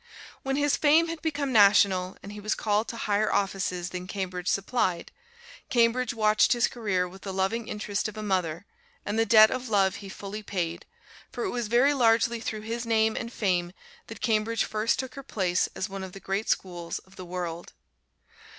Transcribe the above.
When his fame had become national and he was called to higher offices than Cambridge supplied, Cambridge watched his career with the loving interest of a mother, and the debt of love he fully paid, for it was very largely through his name and fame that Cambridge first took her place as one of the great schools of the world.